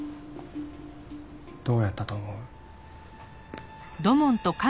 どうやったと思う？